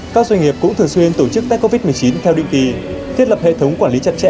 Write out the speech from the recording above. các doanh nghiệp cũng thường xuyên tổ chức tết covid một mươi chín theo định kỳ thiết lập hệ thống quản lý chặt chẽ